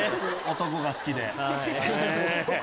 「男が好きで」。